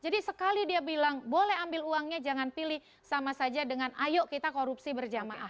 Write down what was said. jadi sekali dia bilang boleh ambil uangnya jangan pilih sama saja dengan ayo kita korupsi berjamaah